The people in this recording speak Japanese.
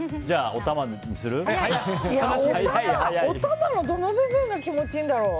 おたまのどの部分が気持ちいいんだろう？